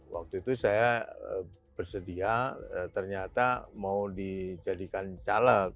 waktu itu saya bersedia ternyata mau dijadikan caleg